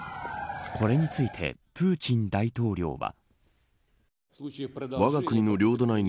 これについてプーチン大統領は。